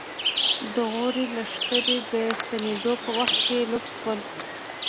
د غوري لښکرې د ستنېدو په وخت کې لوټ شول.